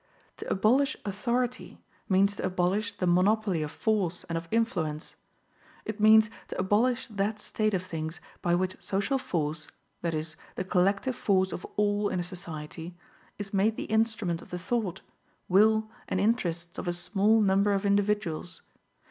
To abolish authority, means to abolish the monopoly of force and of influence. It means to abolish that state of things by which social force, that is, the collective force of all in a society, is made the instrument of the thought, will and interests of a small number of individuals.